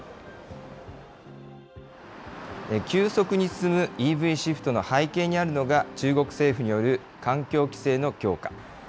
急速に進むＥＶシフトの背景にあるのが、中国政府による環境規制の強化。